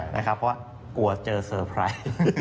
เพราะว่ากลัวเจอเซอร์ไพรส์